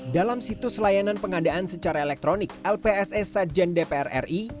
dalam situs layanan pengadaan secara elektronik lpss sajen dpr ri